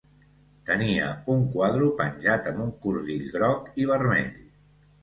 Tenia un quadro penjat amb un cordill groc i vermell.